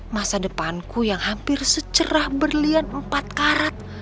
masa depanku yang hampir secerah berlian empat karat